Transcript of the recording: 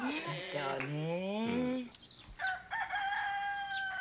そうね。